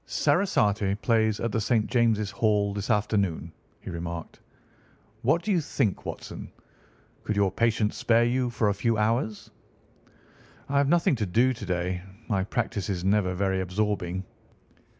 "Sarasate plays at the St. James's Hall this afternoon," he remarked. "What do you think, Watson? Could your patients spare you for a few hours?" "I have nothing to do to day. My practice is never very absorbing."